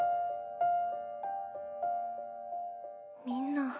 みんな。